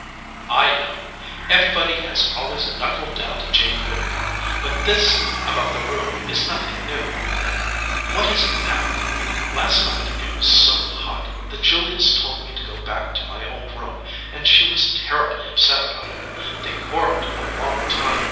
"I know. Everybody has always knuckled down to Jane Whittemore. But this about the room is nothing new, then. What is it now?" "Last night it was so hot that Julius told me to go back to my old room, and she was terribly upset about it. They quarreled a long time.